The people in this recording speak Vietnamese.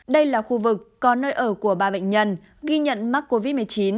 đây là khu vực có nơi ở của ba bệnh nhân ghi nhận mắc covid một mươi chín